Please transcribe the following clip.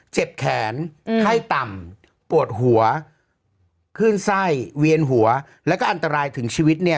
เจ็บแขนไข้ต่ำปวดหัวขึ้นไส้เวียนหัวแล้วก็อันตรายถึงชีวิตเนี่ย